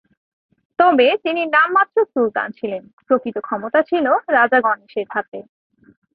তবে তিনি নামমাত্র সুলতান ছিলেন, প্রকৃত ক্ষমতা ছিল রাজা গণেশের হাতে।